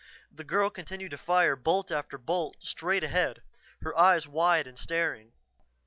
The girl continued to fire bolt after bolt straight ahead, her eyes wide and staring.